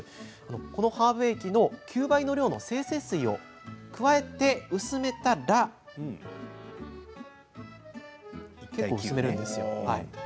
このハーブ液の９倍の量の精製水を加えて薄めたら結構薄めるんですよ。